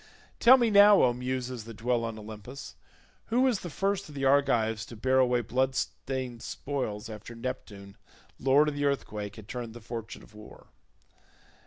Tell me now, O Muses that dwell on Olympus, who was the first of the Argives to bear away blood stained spoils after Neptune lord of the earthquake had turned the fortune of war.